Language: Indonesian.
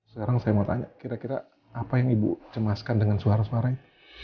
sekarang saya mau tanya kira kira apa yang ibu cemaskan dengan suara suaranya